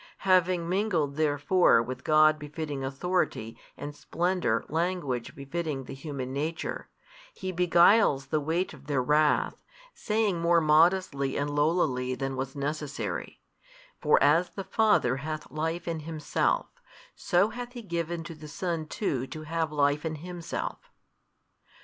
Having mingled therefore with God befitting Authority and Splendour language befitting the human nature, He beguiles the weight of their wrath, saying more modestly and lowlily |272 than was necessary, For as the Father hath life in Himself, so hath He given to the Son too to have life in Himself.